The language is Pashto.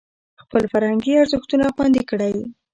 خپل فرهنګي ارزښتونه خوندي کړئ.